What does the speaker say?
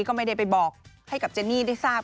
ก็ไม่ได้ไปบอกให้กับเจนี่ได้ทราบ